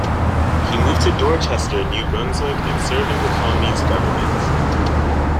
He moved to Dorchester, New Brunswick and served in the colony's government.